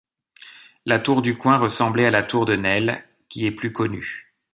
La tour du Coin ressemblait à la tour de Nesle, qui est plus connue.